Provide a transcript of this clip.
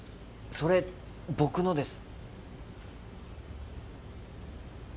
それ僕のです